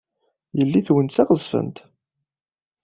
Yelli-twen d taɣezfant.